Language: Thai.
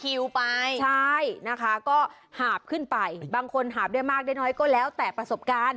ไปใช่นะคะก็หาบขึ้นไปบางคนหาบได้มากได้น้อยก็แล้วแต่ประสบการณ์